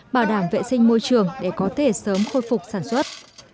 bảo đảm vệ sinh môi trường để có thể sớm khôi phục sản xuất